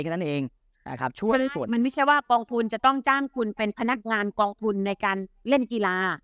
แค่นั้นเองนะครับช่วยด้วยส่วนมันไม่ใช่ว่ากองทุนจะต้องจ้างคุณเป็นพนักงานกองทุนในการเล่นกีฬา